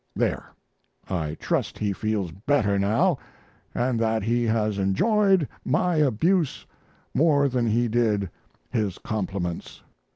There, I trust he feels better now and that he has enjoyed my abuse more than he did his compliments.